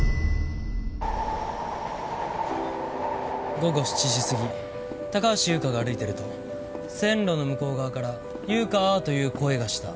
午後７時過ぎ高橋優花が歩いていると線路の向こう側から「優花」という声がした。